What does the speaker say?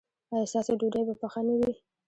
ایا ستاسو ډوډۍ به پخه نه وي؟